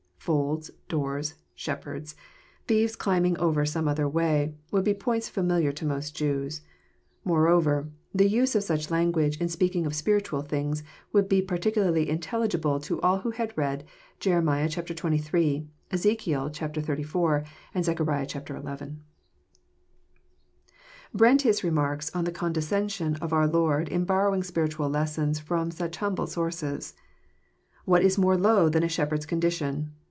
Folds, doors, shepherds, thieves climbing over some other way, would be points familiar to most Jews. Moreover, the use of such language In speaking of spiritual things would be peculiarly intelligible to all who had read Jer. zxiii., Ezek. xzxiv., and Zech. xi. Brentius remarks on the condescension of our Lord In bor rowing spiritual lessons from such humble sources :" What is more low than a shepherd's condition?